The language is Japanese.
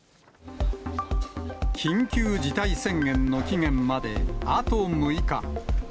緊急事態宣言の期限まであと６日。